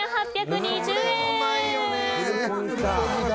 ２８２０円！